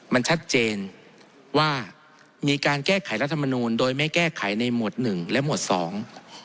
มันชัดเจนว่ามีการแก้ไขรัฐมนูลโดยไม่แก้ไขในหมวดหนึ่งและหมวดสอง